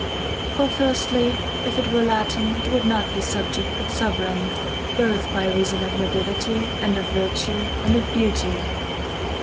For firstly, if it were Latin it would not be a. subject but sovran, both by reason of nobility i. ii. iii. and of virtue and of beauty.